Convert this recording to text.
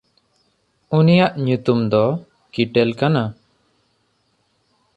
ᱩᱱᱤᱭᱟᱜ ᱧᱩᱛᱩᱢ ᱫᱚ ᱠᱤᱴᱮᱞ ᱠᱟᱱᱟ᱾